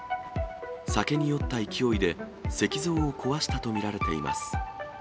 酒に酔った勢いで石像を壊したと見られています。